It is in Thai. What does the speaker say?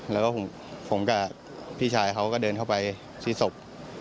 แล้วก็ผมกับพี่ชายเขาก็เดินเข้าไปที่ศพ